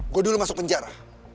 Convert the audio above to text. gue dulu masuk penjara